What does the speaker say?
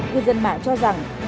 cư dân mạng cho rằng